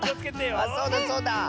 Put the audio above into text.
あっそうだそうだ！